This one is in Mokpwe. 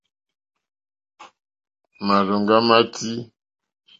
Màrzòŋɡá má tʃí.